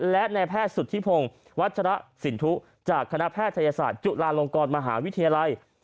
และในแพทย์สุธิพงศ์วัชระสินทุจากคณะแพทยศาสตร์จุฬาลงกรมหาวิทยาลัย